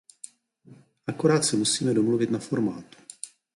Akorát se musíme domluvit na formátu.